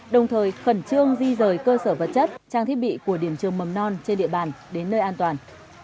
đồng thời khẩn trương di rời cơ sở vật chất trang thiết bị của điểm trường mầm non trên địa bàn đến nơi an toàn